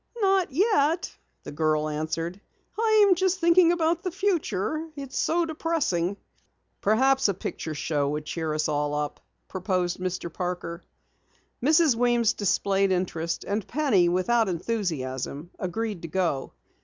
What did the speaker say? "Not yet," the girl answered. "I'm just thinking about the future. It's so depressing." "Perhaps a picture show would cheer us all," proposed Mr. Parker. Mrs. Weems displayed interest, and Penny, without enthusiasm, agreed to go.